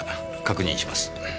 確認します。